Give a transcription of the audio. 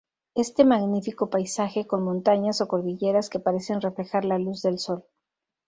Este magnífico paisaje, con montañas o cordilleras que parecen reflejar la luz del sol.